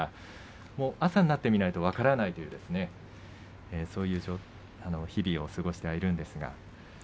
朝になってみないと分からないというそういう状況で日々を過ごしています。